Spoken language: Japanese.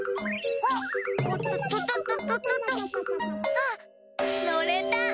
あっのれた！